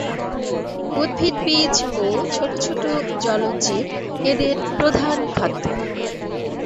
উদ্ভিদ বীজ ও ছোট ছোট জলজ জীব এদের প্রধান খাদ্য।